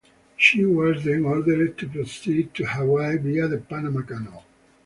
She was then ordered to proceed to Hawaii via the Panama Canal.